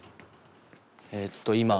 えっと今。